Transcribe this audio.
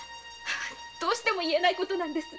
どうしても言えないことなんです。